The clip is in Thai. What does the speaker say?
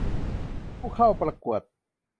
ผู้เข้าประกวด